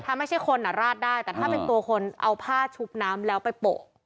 ถ้าไม่ใช่คนราดได้แต่ถ้าเป็นตัวคนเอาผ้าชุบน้ำแล้วไปโปะ